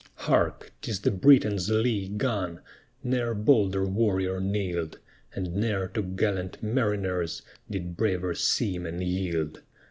Hark! 'tis the Briton's lee gun! Ne'er bolder warrior kneeled! And ne'er to gallant mariners Did braver seamen yield.